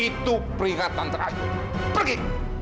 itu peringatan terakhir pergi